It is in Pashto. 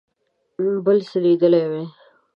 بل څه لیدلي وای.